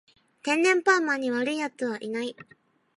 天然パーマに悪い奴はいない